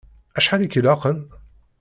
Acḥal i k-ilaqen?